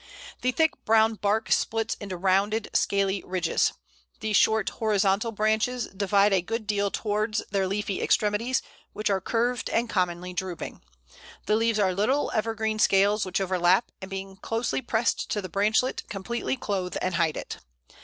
The thick brown bark splits into rounded scaly ridges. The short horizontal branches divide a good deal towards their leafy extremities, which are curved, and commonly drooping. The leaves are little evergreen scales, which overlap, and being closely pressed to the branchlet, completely clothe and hide it.